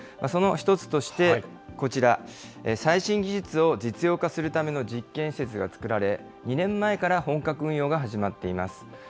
その一つとして、こちら、最新技術を実用化するための実験施設が作られ、２年前から本格運用が始まっています。